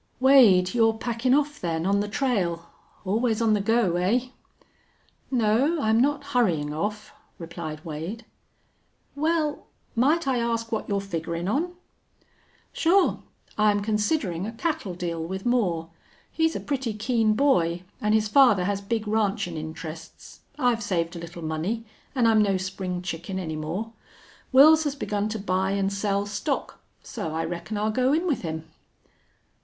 "Wade, you're packin' off, then, on the trail? Always on the go, eh?" "No, I'm not hurryin' off," replied Wade. "Wal, might I ask what you're figgerin' on?" "Sure. I'm considerin' a cattle deal with Moore. He's a pretty keen boy an' his father has big ranchin' interests. I've saved a little money an' I'm no spring chicken any more. Wils has begun to buy an' sell stock, so I reckon I'll go in with him."